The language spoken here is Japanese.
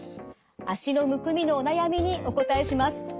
脚のむくみのお悩みにお答えします。